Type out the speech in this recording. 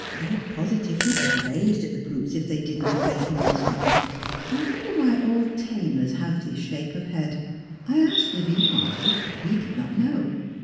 They positively blazed at the brutes if they did not obey him instantly. I wonder why all "tamers" have this shape of head? I asked the Vicomte, but he did not know.